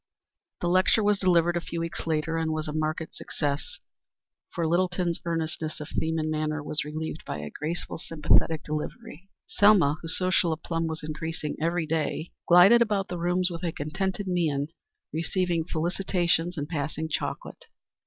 The lecture was delivered a few weeks later and was a marked success, for Littleton's earnestness of theme and manner was relieved by a graceful, sympathetic delivery. Selma, whose social aplomb was increasing every day, glided about the rooms with a contented mien receiving felicitations and passing chocolate.